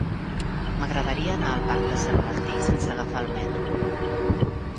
M'agradaria anar al parc de Sant Martí sense agafar el metro.